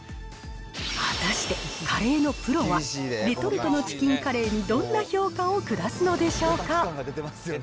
果たしてカレーのプロは、レトルトのチキンカレーにどんな評価を下すのでしょうか。